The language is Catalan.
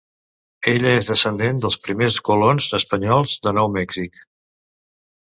Ella és descendent dels primers colons espanyols de Nou Mèxic.